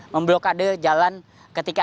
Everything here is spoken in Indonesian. memblokade jalan ketika